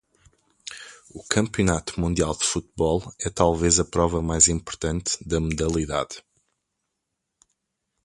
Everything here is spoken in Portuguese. O Campeonato Mundial de Futebol é talvez a prova mais importante da modalidade.